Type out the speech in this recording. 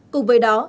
cùng với đó